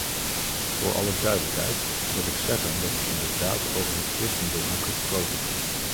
Voor alle duidelijkheid wil ik zeggen dat ik inderdaad over het christendom heb gesproken.